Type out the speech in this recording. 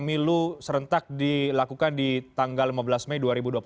pemilu serentak dilakukan di tanggal lima belas mei dua ribu dua puluh empat